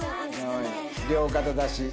両肩出し。